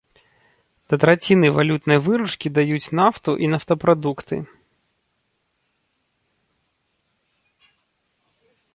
Да траціны валютнай выручкі даюць нафту і нафтапрадукты.